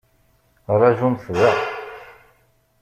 Rajumt da!